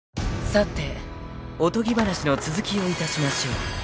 ［さておとぎ話の続きをいたしましょう］